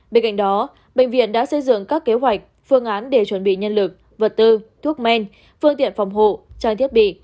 bên cạnh đó bệnh viện đã xây dựng các kế hoạch phương án để chuẩn bị nhân lực vật tư thuốc men phương tiện phòng hộ trang thiết bị